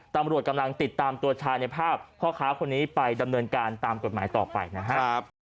ตำรวจกำลังติดตามตัวชายในภาพพ่อค้าคนนี้ไปดำเนินการตามกฎหมายต่อไปนะครับ